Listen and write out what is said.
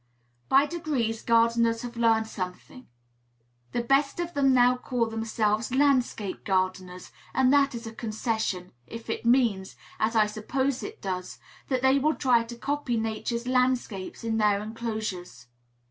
By degrees gardeners have learned something. The best of them now call themselves "landscape gardeners;" and that is a concession, if it means, as I suppose it does, that they will try to copy Nature's landscapes in their enclosures.